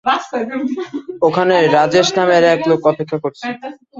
ওখানে রাজেশ নামের এক লোক অপেক্ষা করছে।